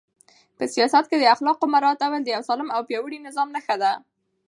په سیاست کې د اخلاقو مراعاتول د یو سالم او پیاوړي نظام نښه ده.